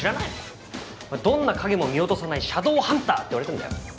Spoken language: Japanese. どんな影も見落とさないシャドーハンターって言われてるんだよ。